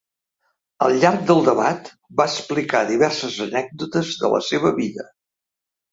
Al llarg del debat va explicar diverses anècdotes de la seva vida.